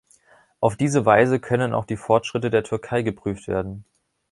Auf diese Weise können auch die Fortschritte der Türkei geprüft werden.